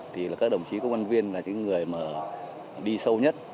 thì các đồng chí công an viên là những người đi sâu nhất